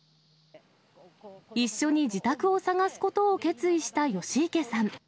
一緒に自宅を探すことを決意した吉池さん。